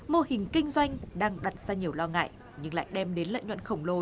mô hình kinh doanh đang đặt ra nhiều lo ngại nhưng lại đem đến lợi nhuận khổng lồ